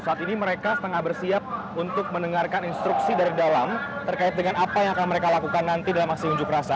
saat ini mereka setengah bersiap untuk mendengarkan instruksi dari dalam terkait dengan apa yang akan mereka lakukan nanti dalam aksi unjuk rasa